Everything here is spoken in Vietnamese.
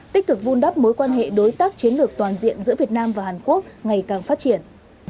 tích cực vun đắp mối quan hệ đối tác chiến lược toàn diện giữa việt nam và hàn quốc ngày càng phát triển